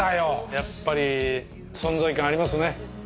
やっぱり存在感ありますね。